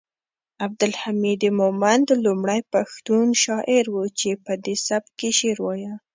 عبدالحمید مومند لومړی پښتون شاعر و چې پدې سبک یې شعر وایه